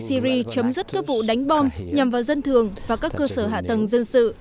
syri chấm dứt các vụ đánh bom nhằm vào dân thường và các cơ sở hạ tầng dân sự